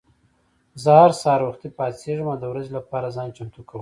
زه هر سهار وختي پاڅېږم او د ورځې لپاره ځان چمتو کوم.